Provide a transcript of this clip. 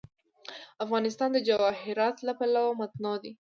افغانستان د جواهرات له پلوه متنوع دی.